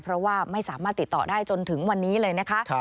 เพราะว่าไม่สามารถติดต่อได้จนถึงวันนี้เลยนะคะ